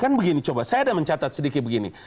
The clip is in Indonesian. kan begini coba saya ada mencatat sedikit begini